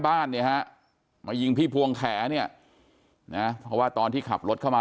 บ้านเนี่ยฮะมายิงพี่พวงแขเนี่ยนะเพราะว่าตอนที่ขับรถเข้ามา